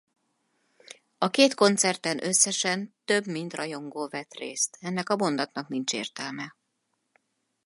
A két koncerten összesen több mint rajongó vett részt.